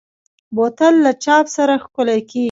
بوتل له چاپ سره ښکلي کېږي.